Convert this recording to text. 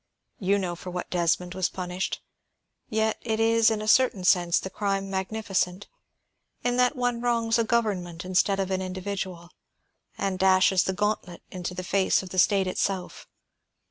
You know for what Desmond was punished. Yet it is in a certain sense the crime magnificent, in that one wrongs a government instead of an individual, and dashes the gauntlet into the face of the state itself.